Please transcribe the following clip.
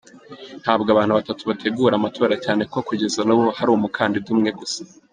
Ntabwo abantu batatu bategura amatora cyane ko kugeza n’ubu hari umukandida umwe gusa”.